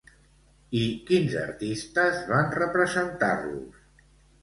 I quins artistes van representar-los?